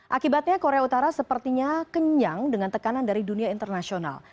akibatnya korea utara sepertinya kenyang dengan tekanan dari dunia internasional